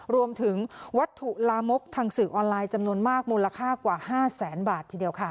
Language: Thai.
รวมถึงวัตถุลามกทางสื่อออนไลน์จำนวนมากมูลค่ากว่า๕แสนบาททีเดียวค่ะ